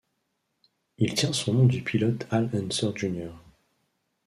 Il tient son nom du pilote Al Unser Jr..